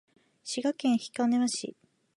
滋賀県彦根市